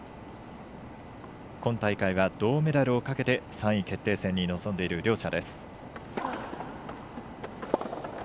今大会は銅メダルをかけて３位決定戦に臨んでいる両者です。